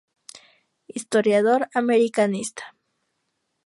Historiador, americanista.